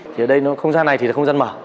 thì ở đây không gian này thì là không gian mở